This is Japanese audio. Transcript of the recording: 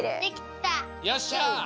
よっしゃ！